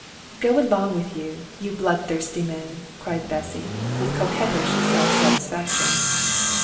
"Go along with you, you bloodthirsty man!" cried Bessy, with coquettish self satisfaction.